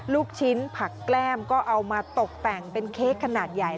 ลูกชิ้นผักแกล้มก็เอามาตกแต่งเป็นเค้กขนาดใหญ่